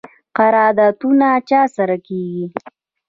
قراردادونه چا سره کیږي؟